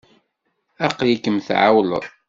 Aql-ikem tɛewwleḍ.